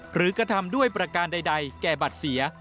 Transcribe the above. กระทำด้วยประการใดแก่บัตรเสีย